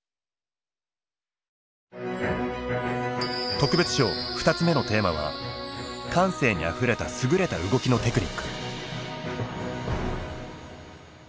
特別賞２つ目のテーマは「感性にあふれたすぐれた動きのテクニック」。